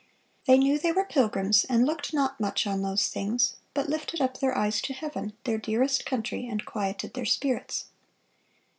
"They knew they were pilgrims, and looked not much on those things, but lifted up their eyes to heaven, their dearest country, and quieted their spirits."